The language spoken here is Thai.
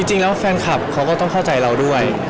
จริงแล้วแฟนคลับเขาก็ต้องเข้าใจเราด้วย